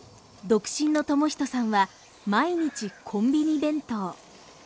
独身の智仁さんは毎日コンビニ弁当。